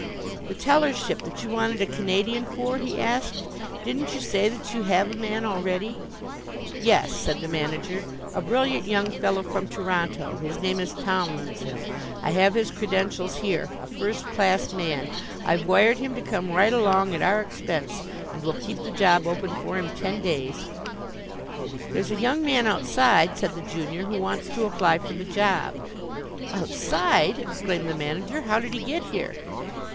"The tellership that you wanted a Canadian for," he asked, "didn't you say that you have a man already?" "Yes," said the manager, "a brilliant young fellow from Toronto; his name is Tomlinson, I have his credentials here a first class man. I've wired him to come right along, at our expense, and we'll keep the job open for him ten days." "There's a young man outside," said the junior, "who wants to apply for the job." "Outside?" exclaimed the manager. "How did he get here?"